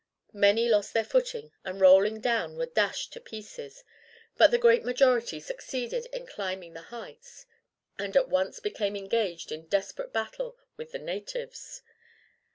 Many lost their footing, and rolling down were dashed to pieces; but the great majority succeeded in climbing the heights, and at once became engaged in desperate battle with the natives.